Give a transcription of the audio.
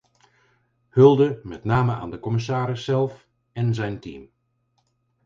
Hulde met name aan de commissaris zelf en zijn team.